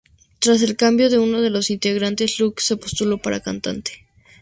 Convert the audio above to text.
Tras el cambio, uno de sus integrantes, Luc, se postuló para cantante.